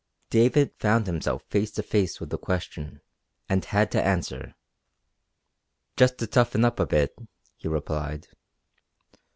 David found himself face to face with the question, and had to answer. "Just to toughen up a bit," he replied.